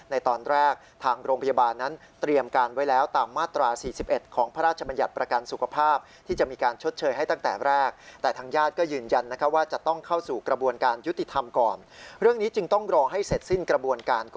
ในตอนแรกทางโรงพยาบาลนั้นเตรียมการไว้แล้ว